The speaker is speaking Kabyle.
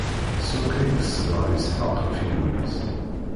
S wakka i yeṣber Isḥaq ɣef yemma-s.